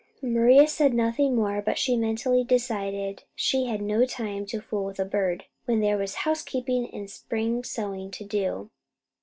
Maria said nothing more; but she mentally decided she had no time to fool with a bird, when there were housekeeping and spring sewing to do.